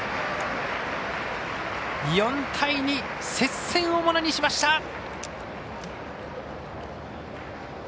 ４対２、接戦をものにしました。